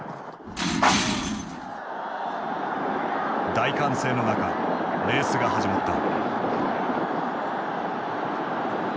大歓声の中レースが始まった。